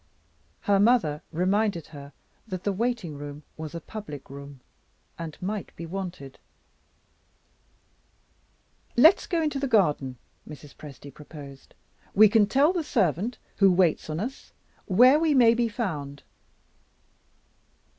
Her mother reminded her that the waiting room was a public room, and might be wanted. "Let's go into the garden," Mrs. Presty proposed. "We can tell the servant who waits on us where we may be found."